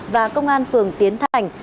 và công an phường tiến thành